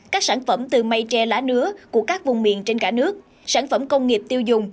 các sản phẩm từ mây tre lá nứa của các vùng miền trên cả nước sản phẩm công nghiệp tiêu dùng